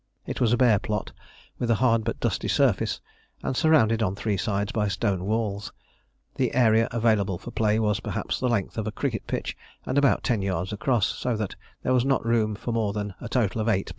It was a bare plot, with a hard but dusty surface, and surrounded on three sides by stone walls: the area available for play was, perhaps, the length of a cricket pitch and about ten yards across, so that there was not room for more than a total of eight players.